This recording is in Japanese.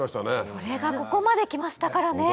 それがここまで来ましたからね。